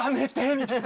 みたいな。